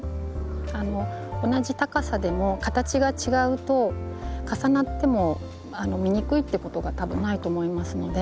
同じ高さでも形が違うと重なっても見にくいっていうことがたぶんないと思いますので。